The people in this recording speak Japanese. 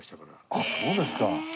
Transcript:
あっそうですか。